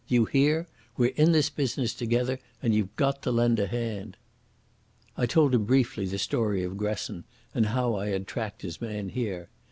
Do you hear? We're in this business together, and you've got to lend a hand." I told him briefly the story of Gresson, and how I had tracked his man here.